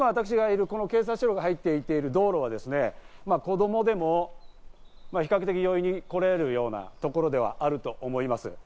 今、私がいる、警察車両が入っている道路は子供でも比較的、容易に来られるようなところではあると思います。